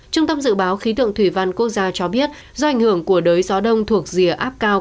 trung tâm dự báo khí tượng thủy văn quốc gia cho biết do ảnh hưởng của đới gió đông thuộc rìa áp cao